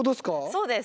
そうです。